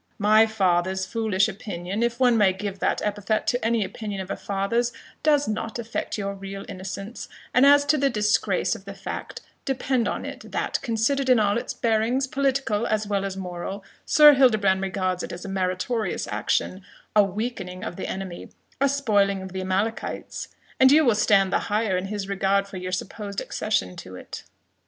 "My father's foolish opinion, if one may give that epithet to any opinion of a father's, does not affect your real innocence; and as to the disgrace of the fact, depend on it, that, considered in all its bearings, political as well as moral, Sir Hildebrand regards it as a meritorious action a weakening of the enemy a spoiling of the Amalekites; and you will stand the higher in his regard for your supposed accession to it."